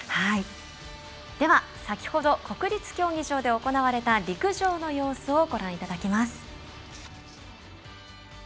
では、先ほど国立競技場で行われた陸上の様子をご覧いただきます。